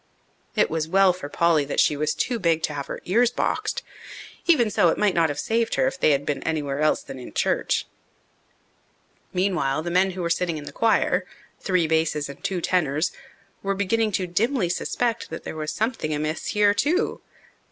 It was well for Polly that she was too big to have her ears boxed. Even so, it might not have saved her if they had been anywhere else than in church. Meanwhile the men who were sitting in the choir three basses and two tenors were beginning to dimly suspect that there was something amiss here too.